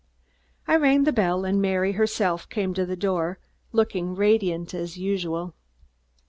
I rang the bell and Mary, herself, came to the door, looking radiant as usual.